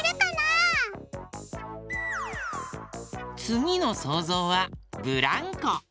つぎのそうぞうはブランコ。